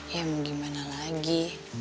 ya mau bagaimana lagi